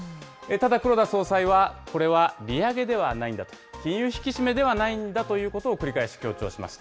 ただ、黒田総裁は、これは利上げではないんだと、金融引き締めではないんだということを、繰り返し強調しました。